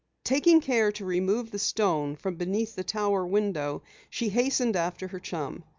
Taking care to remove the stone from beneath the tower window, she hastened after her chum.